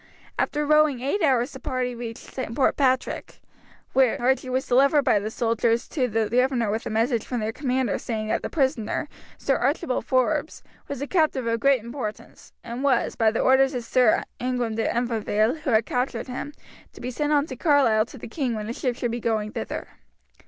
After rowing eight hours the party reached Port Patrick, where Archie was delivered by the soldiers to the governor with a message from their commander saying that the prisoner, Sir Archibald Forbes, was a captive of great importance, and was, by the orders of Sir Ingram de Umfraville who had captured him, to be sent on to Carlisle to the king when a ship should be going thither.